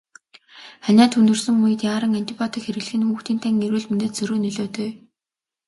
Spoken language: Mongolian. Ханиад хүндэрсэн үед яаран антибиотик хэрэглэх нь хүүхдийн тань эрүүл мэндэд сөрөг нөлөөтэй.